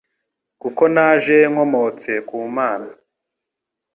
kuko naje nkomotse ku Mana.»